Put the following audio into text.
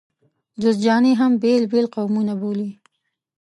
جوزجاني هم بېل بېل قومونه بولي.